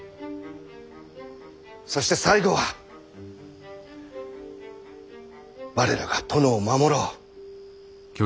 そして最後は我らが殿を守ろう。